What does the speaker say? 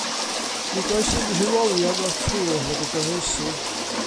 Nid oes unrhyw olion o'r tŵr wedi goroesi.